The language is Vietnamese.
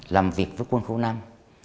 làm việc với quân khu nam